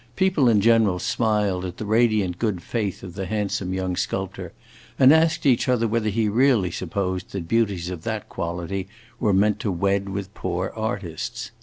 People in general smiled at the radiant good faith of the handsome young sculptor, and asked each other whether he really supposed that beauties of that quality were meant to wed with poor artists.